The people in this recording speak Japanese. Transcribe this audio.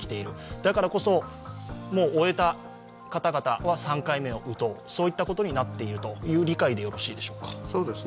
だからこそ、もう終えた方々は３回目を打とうそういったことになっているという理解でよろしいですか？